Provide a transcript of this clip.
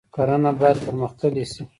کرنه باید پرمختللې شي